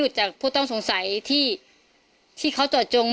ถ้าใครอยากรู้ว่าลุงพลมีโปรแกรมทำอะไรที่ไหนยังไง